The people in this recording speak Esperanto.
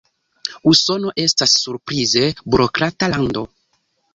Usono estas surprize burokrata lando.